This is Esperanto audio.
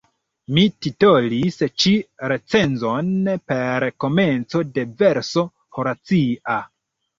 Mi titolis ĉi recenzon per komenco de verso horacia.